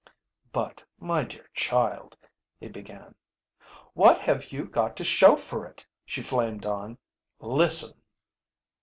"But my dear child " he began. "What have you got to show for it?" she flamed on. "Listen!"